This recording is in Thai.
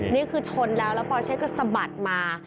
นี่คือชนแล้วแล้วปอเชศก็สะบัดมา